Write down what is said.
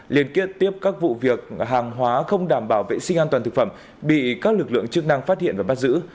liên kết tiếp các vụ việc hàng hóa không đảm bảo vệ sinh an toàn thực phẩm bị các lực lượng chức năng phát hiện và bắt giữ